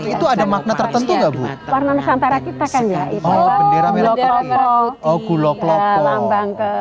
itu ada makna tertentu enggak bu warna nusantara kita kan ya itu bendera merah putih lambang ke